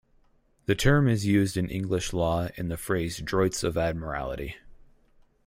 The term is used in English law in the phrase "droits of admiralty".